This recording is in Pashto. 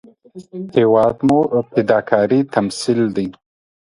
هېواد مو د فداکارۍ تمثیل دی